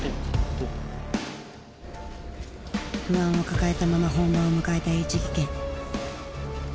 不安を抱えたまま本番を迎えたＨ技研。